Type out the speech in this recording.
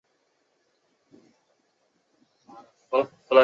斑皿盖蛛为皿蛛科皿盖蛛属的动物。